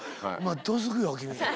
ど突くよ君。